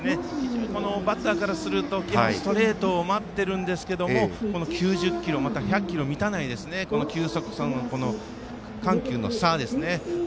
バッターからするとストレートを待っているんですがまた１００キロ満たない球速緩急の差ですね。